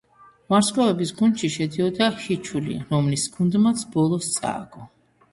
ვარსკვლავების გუნდში შედიოდა ჰიჩული, რომლის გუნდმაც ბოლოს წააგო.